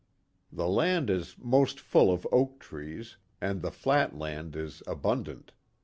The land is most full of oak trees, and the flat land is abundant.